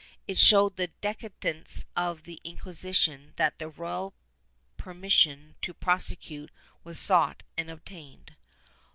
It shows the decadence of the Inquisition that the royal permis sion to prosecute was sought and obtained.